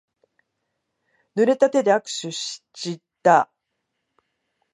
ぬれた手で握手しちった。